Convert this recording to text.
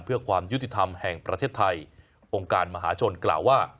เพื่อความยุติธรรมแห่งประเทศไทยองค์การมหาชนกล่าวว่า